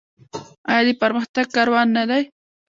آیا د پرمختګ کاروان نه دی؟